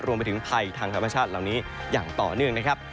รวมไปถึงภัยทางธรรมชาติเหล่านี้อย่างต่อเนื่องนะครับ